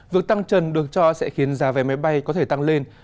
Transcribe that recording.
việc tăng trần được cho sẽ khiến giá vé máy bay có thể tăng lên